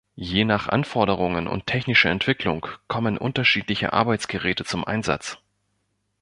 Je nach Anforderungen und technischer Entwicklung kommen unterschiedliche Arbeitsgeräte zum Einsatz.